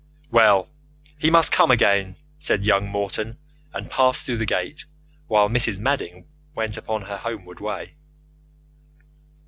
"Well, he must come in again," said young Morton, and passed through the gate while Mrs. Madding went upon her homeward way.